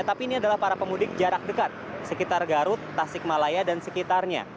tapi ini adalah para pemudik jarak dekat sekitar garut tasik malaya dan sekitarnya